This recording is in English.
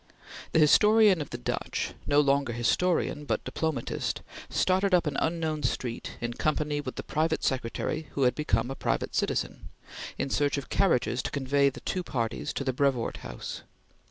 The historian of the Dutch, no longer historian but diplomatist, started up an unknown street, in company with the private secretary who had become private citizen, in search of carriages to convey the two parties to the Brevoort House.